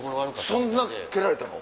そんな蹴られたの？